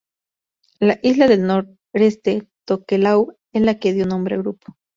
La isla del noreste, Tokelau, es la que dio nombre al grupo.